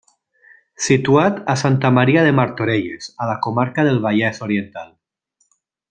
Situat a Santa Maria de Martorelles, a la comarca del Vallès Oriental.